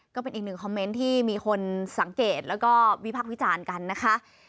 ก็เป็นอีกหนึ่งคอมเมนต์ที่มีคนสังเกตแล้วก็วิพักษ์วิจารณ์กันนะคะ